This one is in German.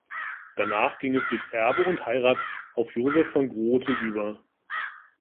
Danach ging es durch Erbe und Heirat auf Josef von Groote über.